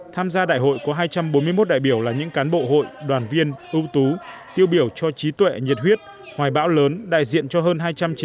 tham gia đại hội có hai trăm bốn mươi một đại biểu là những cán bộ hội đoàn viên ưu tú tiêu biểu cho trí tuệ nhiệt huyết hoài bão lớn đại diện cho hơn hai trăm chín mươi